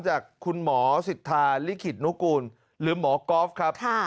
จากคุณหมอสิทธาลิขิตนุกูลหรือหมอก๊อฟครับ